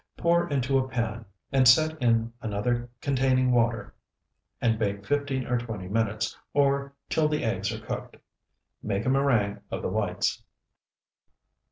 Pour into a pan, and set in another containing water, and bake fifteen or twenty minutes, or till the eggs are cooked. Make a meringue of the whites.